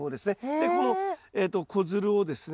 でこの子づるをですね